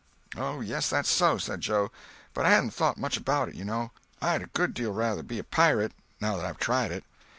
"Oh yes, that's so," said Joe, "but I hadn't thought much about it, you know. I'd a good deal rather be a pirate, now that I've tried it."